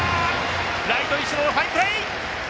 ライトの石野のナイスプレー。